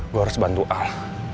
gue harus bantu al